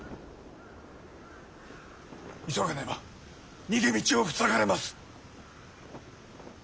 急がねば逃げ道を塞がれます。